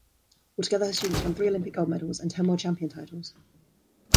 Altogether, her students won three Olympic gold medals and ten world champion titles.